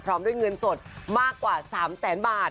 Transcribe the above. พร้อมด้วยเงินสดมากกว่า๓แสนบาท